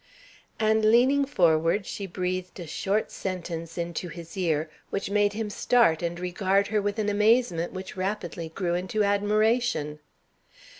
And leaning forward, she breathed a short sentence into his ear which made him start and regard her with an amazement which rapidly grew into admiration.